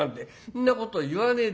「んなこと言わねえで。